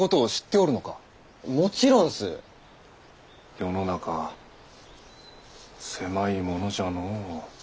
世の中狭いものじゃのう。